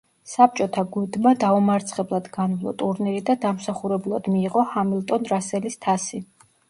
საბჭოთა გუნდმა დაუმარცხებლად განვლო ტურნირი და დამსახურებულად მიიღო ჰამილტონ-რასელის თასი.